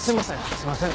すいません。